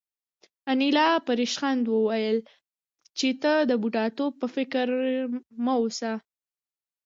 انیلا په ریشخند وویل چې ته د بوډاتوب په فکر کې مه اوسه